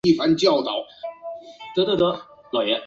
不久连美雅也为了保护希布亦牺牲了性命。